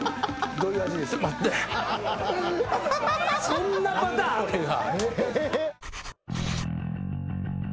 そんなパターンあんの？